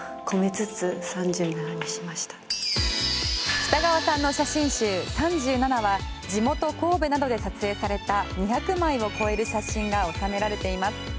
北川さんの写真集「３７」は地元・神戸などで撮影された２００枚を超える写真が収められています。